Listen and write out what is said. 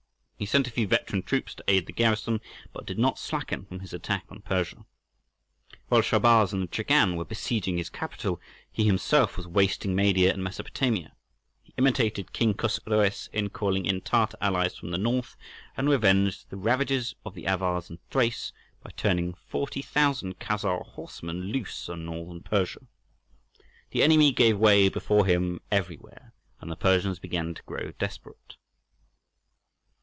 He sent a few veteran troops to aid the garrison, but did not slacken from his attack on Persia. While Shahrbarz and the Chagan were besieging his capital, he himself was wasting Media and Mesopotamia. He imitated King Chosroës in calling in Tartar allies from the north, and revenged the ravages of the Avars in Thrace by turning 40,000 Khazar horsemen loose on Northern Persia. The enemy gave way before him everywhere, and the Persians began to grow desperate.